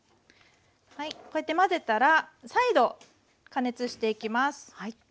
こうやって混ぜたら再度加熱していきます。